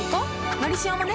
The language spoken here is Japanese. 「のりしお」もね